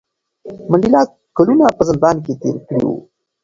منډېلا کلونه په زندان کې تېر کړي وو.